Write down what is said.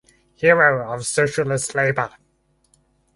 Hero of Socialist Labor.